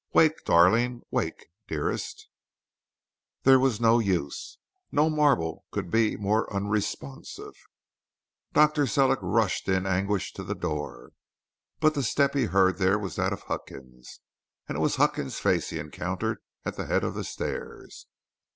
Wake, darling; wake, dearest " There was no use. No marble could be more unresponsive. Dr. Sellick rushed in anguish to the door. But the step he heard there was that of Huckins, and it was Huckins' face he encountered at the head of the stairs.